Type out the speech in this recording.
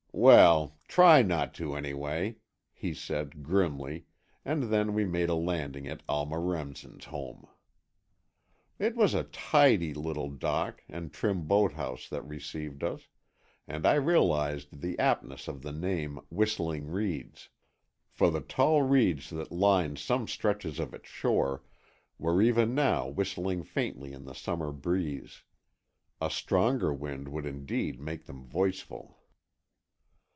"Well, try not to, anyway," he said, grimly, and then we made a landing at Alma Remsen's home. It was a tidy little dock and trim boathouse that received us, and I realized the aptness of the name "Whistling Reeds." For the tall reeds that lined some stretches of its shore were even now whistling faintly in the summer breeze. A stronger wind would indeed make them voiceful.